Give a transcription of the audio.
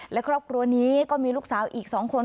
และครอบครัวนี้ก็มีลูกสาวอีก๒คน